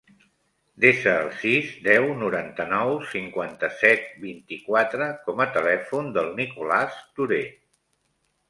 Desa el sis, deu, noranta-nou, cinquanta-set, vint-i-quatre com a telèfon del Nicolàs Touray.